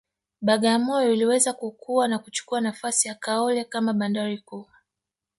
Bagamoyo iliweza kukua na kuchukua nafasi ya Kaole kama bandari kuu